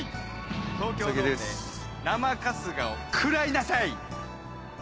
東京ドームで生春日を喰らいなさい！